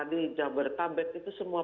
di jabarta bek itu semua